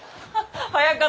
早かったね！